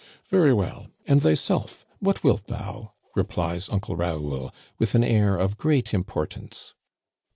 "Very well. And thyself? What wilt thou? "re plies Uncle Raoul, with an air of great importance.